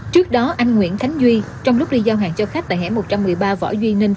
trước đó anh nguyễn khánh duy trong lúc đi giao hàng cho khách tại hẻ một trăm một mươi ba võ duy ninh